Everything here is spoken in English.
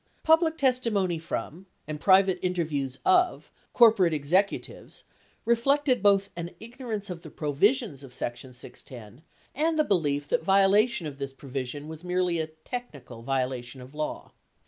Public testi mony from, and private interviews of, corporate executives reflected both an ignorance of the provisions of section 610 and the belief that violation of this provision was merely a "technical" violation of law.